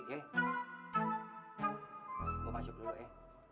gue masuk dulu ya